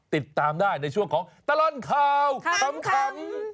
ติดตามได้ในช่วงของตลอดข่าวขำ